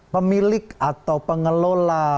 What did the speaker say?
pemilik atau pengelola